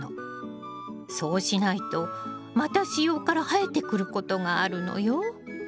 そうしないとまた子葉から生えてくることがあるのよ。